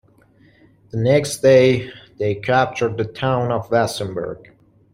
The next day they captured the town of Wassenberg.